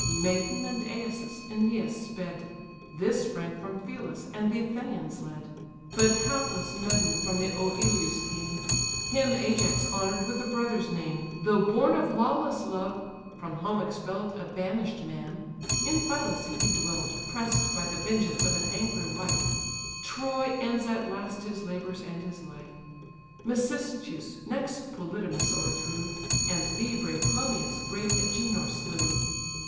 Medon and Iasus, Æneas sped; This sprang from Phelus, and the Athenians led; But hapless Medon from Oïleus came; Him Ajax honour'd with a brother's name, Though born of lawless love: from home expell'd, A banish'd man, in Phylacè he dwell'd, Press'd by the vengeance of an angry wife; Troy ends at last his labours and his life. Mecystes next Polydamas o'erthrew; And thee, brave Clonius, great Agenor slew.